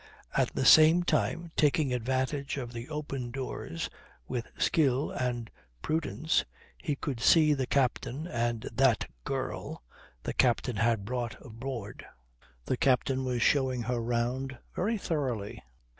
At the same time, taking advantage of the open doors with skill and prudence, he could see the captain and "that girl" the captain had brought aboard. The captain was showing her round very thoroughly.